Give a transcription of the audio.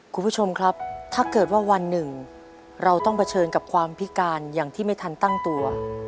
คุณผู้ชมครับถ้าเกิดว่าวันหนึ่งเราต้องเผชิญกับความพิการอย่างที่ไม่ทันตั้งตัว